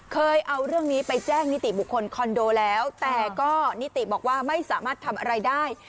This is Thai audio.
เคยเอาเรื่องนี้ไปแจ้งนิติบุคคลคอนโดแล้วแต่ก็นิติบอกว่าไม่สามารถทำอะไรได้